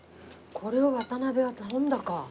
これを渡辺は頼んだか。